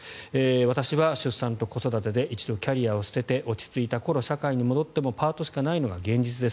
私は出産と子育てで一度キャリアを捨てて落ち着いた頃、社会に戻ってもパートしかないのが現実です。